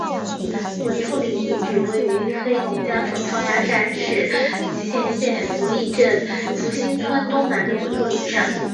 滚兔岭遗址位于黑龙江省双鸭山市集贤县福利镇福兴村东南的滚兔岭上。